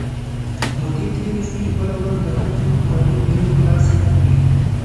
مودې تېرې شوې، بله ورځ د ښځې پخواني مېړه ملا صاحب ولید.